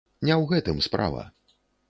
Не ў гэтым справа.